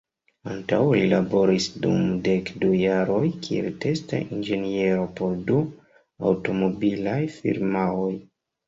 Antaŭe li laboris dum dek du jaroj kiel testa inĝeniero por du aŭtomobilaj firmaoj.